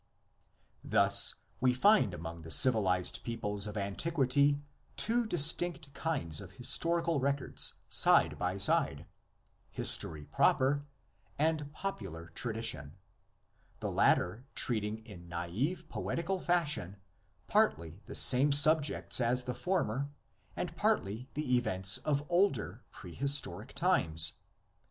Thus we find among the civilised peoples of antiquity two distinct kinds of historical records side by side: history proper and popular tradition, the latter treating in naive poetical fashion partly the same subjects as the former, and partly the events of older, prehistoric times.